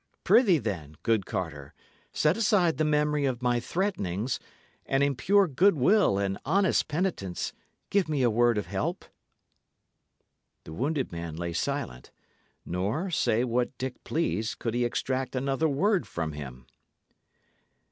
Prithee, then, good Carter, set aside the memory of my threatenings, and in pure goodwill and honest penitence give me a word of help." The wounded man lay silent; nor, say what Dick pleased, could he extract another word from him.